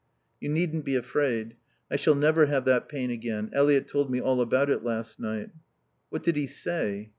"You needn't be afraid. I shall never have that pain again. Eliot told me all about it last night." "What did he say?"